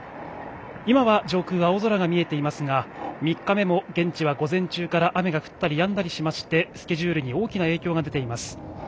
今は上空、青空が見えていますが３日目も現地は午前中から雨が降ったりやんだりしましてスケジュールに大きな影響が出ています。